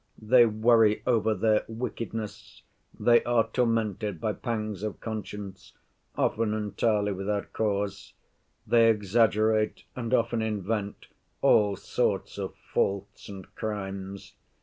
They worry over their 'wickedness,' they are tormented by pangs of conscience, often entirely without cause; they exaggerate and often invent all sorts of faults and crimes.